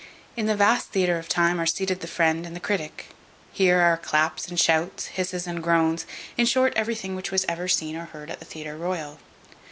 In this vast theatre of time are seated the friend and the critic; here are claps and shouts, hisses and groans; in short, everything which was ever seen or heard at the Theatre Royal.